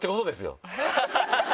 ハハハハ！